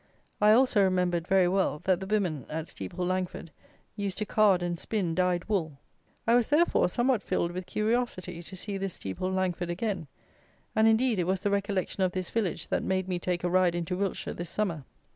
I also remembered, very well, that the women at Steeple Langford used to card and spin dyed wool. I was, therefore, somewhat filled with curiosity to see this Steeple Langford again; and, indeed, it was the recollection of this village that made me take a ride into Wiltshire this summer.